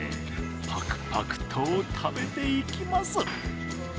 パクパクと食べていきます。